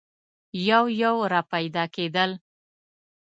یو یو را پیدا کېدل.